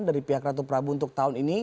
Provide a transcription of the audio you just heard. dari pihak ratu prabu untuk tahun ini